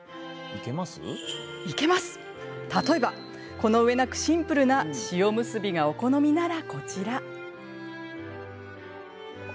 例えば、このうえなくシンプルな塩むすびがお好みなら、こちら。